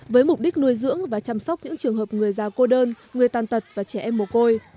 với mục đích nuôi dưỡng và chăm sóc những trường hợp người già cô đơn người tàn tật và trẻ em mồ côi